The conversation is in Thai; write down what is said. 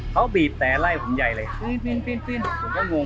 เขาบีบแต่ไล่ผมใยเลยคืนคนก็งง